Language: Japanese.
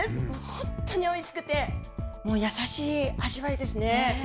本当においしくて、もう優しい味わいですね。